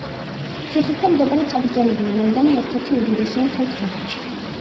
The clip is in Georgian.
ციხესთან მდებარე წაგრძელებული მოედანი ერთ-ერთი უდიდესია მთელს ჩეხეთში.